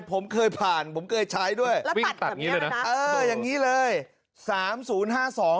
ผมเคยผ่านผมเคยใช้ด้วยแล้วตัดอย่างนี้เลยนะ